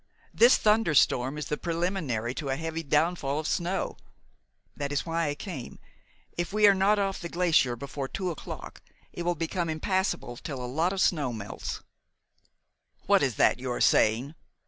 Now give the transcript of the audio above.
This thunder storm is the preliminary to a heavy downfall of snow. That is why I came. If we are not off the glacier before two o'clock, it will become impassable till a lot of the snow melts." "What is that you are saying?"